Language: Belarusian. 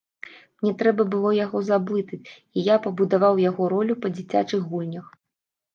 Мне трэба было яго заблытаць, і я пабудаваў яго ролю па дзіцячых гульнях.